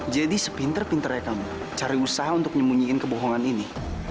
jadi sepinter pinternya kamu cari usaha untuk nyemunyiin kebohongan ini